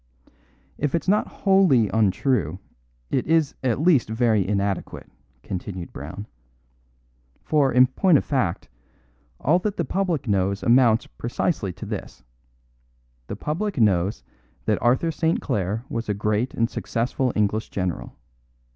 "If not wholly untrue, it is at least very inadequate," continued Brown; "for in point of fact, all that the public knows amounts precisely to this: The public knows that Arthur St. Clare was a great and successful English general.